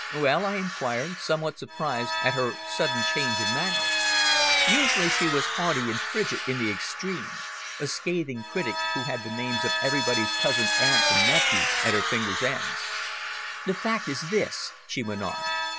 "Well!" I inquired, somewhat surprised at her sudden change of manner. Usually she was haughty and frigid in the extreme, a scathing critic who had the names of everybody's cousins aunts and nephews at her fingers' ends. "The fact is this," she went on.